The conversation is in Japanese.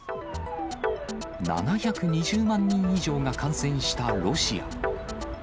７２０万人以上が感染したロシア。